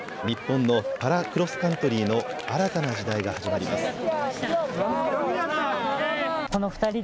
日本のパラクロスカントリーの新たな時代が始まります。